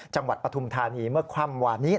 จังหวัดปฐุมธานีเมื่อความหวานนี้